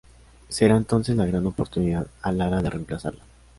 Será entonces la gran oportunidad a Lara de reemplazarla.